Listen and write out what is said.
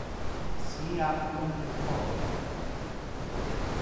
Sia un homine.